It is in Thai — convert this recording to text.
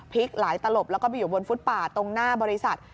หลายตลบแล้วก็ไปอยู่บนฟุตป่าตรงหน้าบริษัท